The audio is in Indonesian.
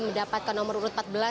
mendapatkan nomor urut empat belas